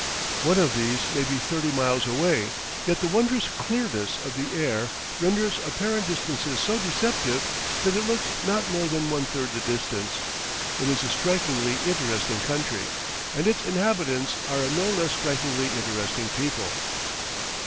One of these may be thirty miles away, yet the wondrous clearness of the air renders apparent distances so deceptive that it looks not more than one third the distance. It is a strikingly interesting country, and its inhabitants are a no less strikingly interesting people.